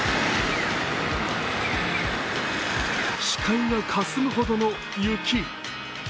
視界がかすむほどの雪。